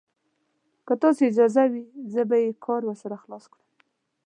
که ستاسې اجازه وي، زه به یې کار ور خلاص کړم.